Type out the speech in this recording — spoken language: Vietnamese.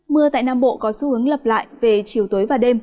mưa tại nam bộ có xu hướng lập lại về chiều tối và đêm